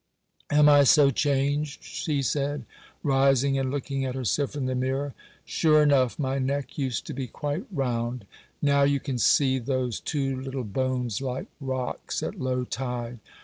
'Am I so changed?' she said, rising and looking at herself in the mirror. 'Sure enough, my neck used to be quite round,—now you can see those two little bones, like rocks at low tide.